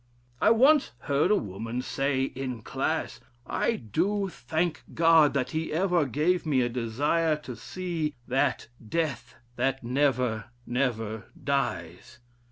I once heard a woman say in class, 'I do thank God that he ever gave me a desire to see that death that never, never _dies.